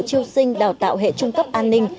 triêu sinh đào tạo hệ trung cấp an ninh